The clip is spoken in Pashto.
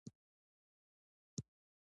د لیتیم کانونه په غزني کې دي